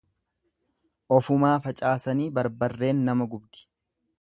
Ofumaa facaasanii barbarreen nama gubdi.